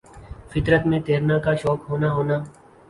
فطر ت میں تیرنا کا شوق ہونا ہونا